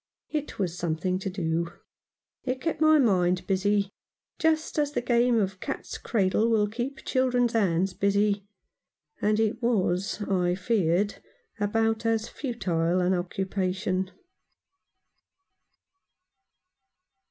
It was something to do. It kept my mind busy, just as the game of cat's cradle will keep children's hands busy, and it was, I feared, about as futile an occupation.